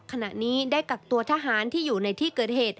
ขณะนี้ได้กักตัวทหารที่อยู่ในที่เกิดเหตุ